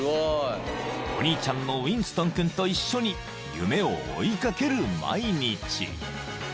［お兄ちゃんのウィンストン君と一緒に夢を追い掛ける毎日］